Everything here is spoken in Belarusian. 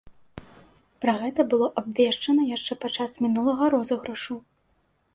Пра гэта было абвешчана яшчэ падчас мінулага розыгрышу.